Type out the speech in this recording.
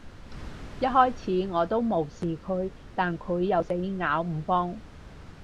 一開始，我都無視佢，但佢又死咬唔放